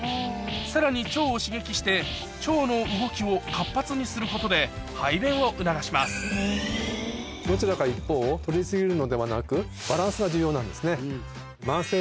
さらに腸を刺激して腸の動きを活発にすることで排便を促しますどちらか一方を取り過ぎるのではなく。